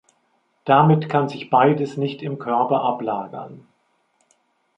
Damit kann sich beides nicht im Körper ablagern.